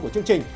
của chương trình